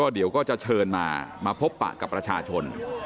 เดี๋ยวก็จะเชิญมามาพบปะกับประชาชน